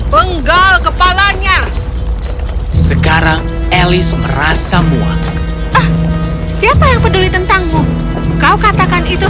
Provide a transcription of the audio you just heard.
penggal kepalanya sekarang elis merasa muak siapa yang peduli tentangmu kau katakan itu